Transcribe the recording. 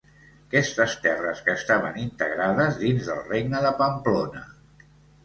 Aquestes terres que estaven integrades dins del regne de Pamplona.